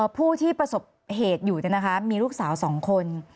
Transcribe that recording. ผู้ที่ประสบเหตุอยู่มีลูกสาว๒คน